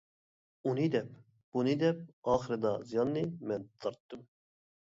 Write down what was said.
ئۇنى دەپ، بۇنى دەپ ئاخىرىدا زىياننى مەن تارتتىم.